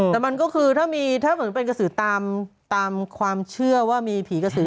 แต่มันก็คือถ้าเหมือนเป็นกระสือตามความเชื่อว่ามีผีกระสือ